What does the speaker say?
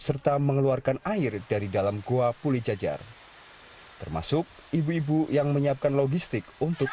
serta mengeluarkan air dari dalam goa pulijajar termasuk ibu ibu yang menyiapkan logistik untuk